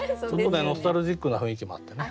ノスタルジックな雰囲気もあってね。